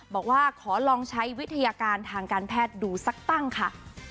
บอกว่าขอลองใช้วิทยาการทางการแพทย์ดูสักตั้งค่ะ